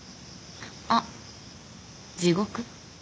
あっ地獄？